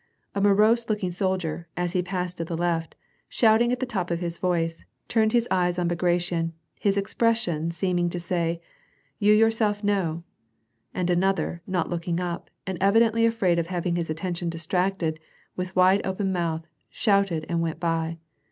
A morose look ing soldier, as he passed at the left, shouting at the top of his voice, turned his eyes on Bagration, his expression seeming to say, " You yourself know "; another, not looking up, and evi dently afraid of having his attention distracted, with wide open ™outh, shouted and went by.